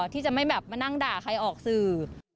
ที่จะไม่แบบมานั่งด่าใครออกสื่อ